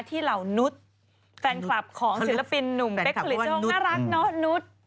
เหล่านุษย์แฟนคลับของศิลปินหนุ่มเป๊กผลิตโชคน่ารักเนาะนุษย์